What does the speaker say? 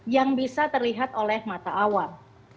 yang bisa terlihat oleh mata awal